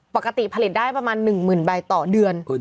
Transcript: ปกติผลิตได้ประมาณ๑๐๐๐ใบต่อเดือน